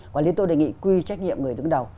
quản lý tôi đề nghị quy trách nhiệm người đứng đầu